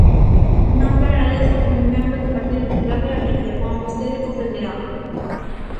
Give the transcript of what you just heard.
Non lla agradezo como membro do Partido Popular de Galicia, como vostede comprenderá.